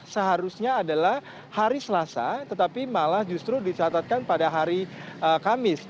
seharusnya adalah hari selasa tetapi malah justru dicatatkan pada hari kamis